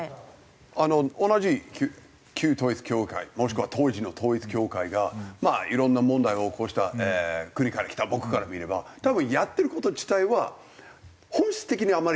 同じ旧統一教会もしくは当時の統一教会がまあいろんな問題を起こした国から来た僕から見れば多分やってる事自体は本質的にあんまり変わらないんですよ。